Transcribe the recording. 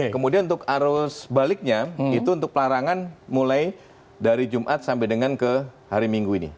kemudian untuk arus baliknya itu untuk pelarangan mulai dari jumat sampai dengan ke hari minggu ini